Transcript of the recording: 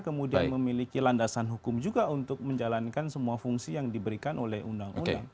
kemudian memiliki landasan hukum juga untuk menjalankan semua fungsi yang diberikan oleh undang undang